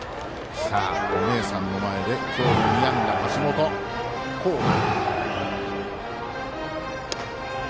お姉さんの前で今日も２安打橋本航河。